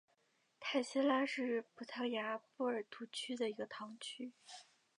泰谢拉是葡萄牙波尔图区的一个堂区。